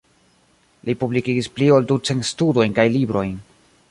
Li publikigis pli ol ducent studojn kaj librojn.